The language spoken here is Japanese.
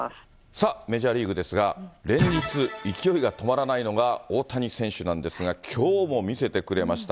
さあ、メジャーリーグですが、連日、勢いが止まらないのが大谷選手なんですが、きょうも見せてくれました。